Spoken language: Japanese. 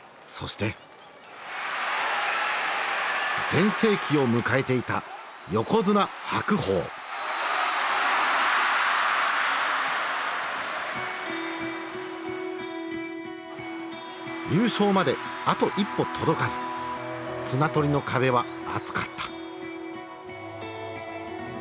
全盛期を迎えていた優勝まであと一歩届かず綱取りの壁は厚かった。